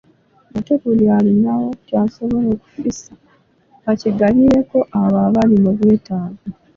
Ate buli alinawo kyasobola okufissa akigabireko abo abali mu bwetaavu.